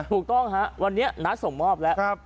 ถูกต้องฮะวันนี้นัดส่งมอบแล้ว